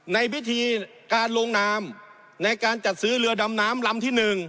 ในพิธีการลงนามในการจัดซื้อเรือดำน้ำลำที่๑